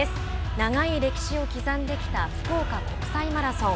長い歴史を刻んできた福岡国際マラソン。